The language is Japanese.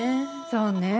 そうねえ。